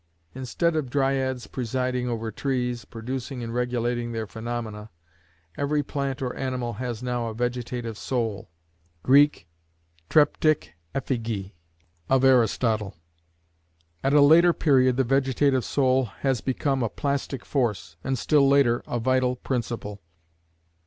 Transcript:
Instead of Dryads presiding over trees, producing and regulating their phaenomena, every plant or animal has now a Vegetative Soul, the [Greek: Threptikè phygè] of Aristotle. At a later period the Vegetative Soul has become a Plastic Force, and still later, a Vital Principle.